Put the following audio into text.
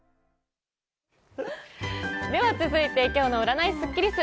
では続いて、今日の占いスッキりす。